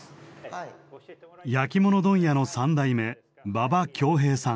焼き物問屋の３代目馬場匡平さん